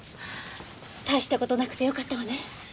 大した事なくてよかったわね。